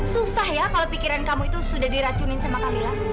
susah ya kalau pikiran kamu itu sudah diracunin sama kamila